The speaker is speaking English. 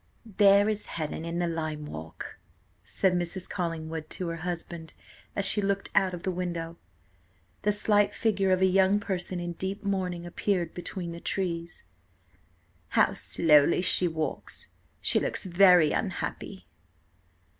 "There is Helen in the lime walk," said Mrs. Collingwood to her husband, as she looked out of the window. The slight figure of a young person in deep mourning appeared between the trees, "How slowly she walks! She looks very unhappy!"